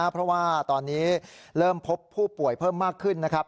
เพราะว่าตอนนี้เริ่มพบผู้ป่วยเพิ่มมากขึ้นนะครับ